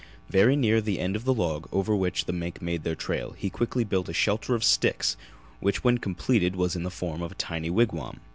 Very near the end of the log over which the mink made their trail he quickly built a shelter of sticks which when completed was in the form of a tiny wigwam.